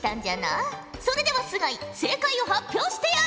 それでは須貝正解を発表してやれ。